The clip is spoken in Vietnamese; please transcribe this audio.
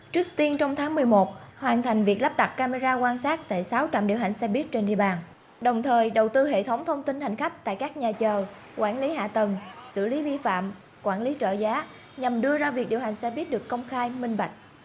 trước tiên trong tháng một mươi một hoàn thành việc lắp đặt camera quan sát tại sáu trạm điều hành xe buýt trên địa bàn đồng thời đầu tư hệ thống thông tin hành khách tại các nhà chờ quản lý hạ tầng xử lý vi phạm quản lý trợ giá nhằm đưa ra việc điều hành xe buýt được công khai minh bạch